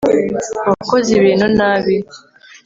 Wakoze ibintu nabi